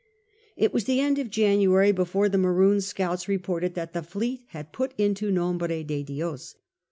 It was the end of January before the Maroons' scouts reported that the fleet had put into Nombre de Dios.